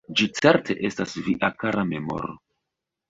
Ĝi certe estas via kara memoro.